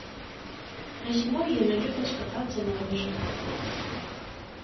А зімой яны любяць катацца на лыжах.